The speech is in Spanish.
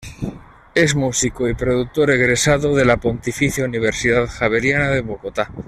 Es músico y productor egresado de la Pontificia Universidad Javeriana de Bogotá.